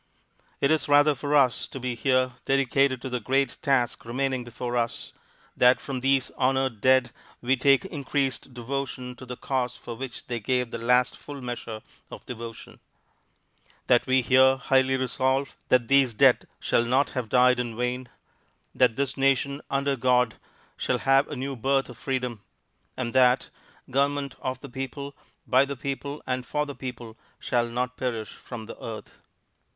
It is rather for us to be here dedicated to the great task remaining before us, that from these honored dead we take increased devotion to the cause for which they gave the last full measure of devotion; that we here highly resolve that these dead shall not have died in vain; that this nation, under God, shall have a new birth of freedom, and that government of the people, by the people, and for the people, shall not perish from the earth.